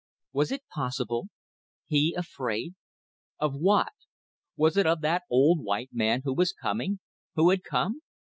Was it possible? He afraid? Of what? Was it of that old white man who was coming who had come?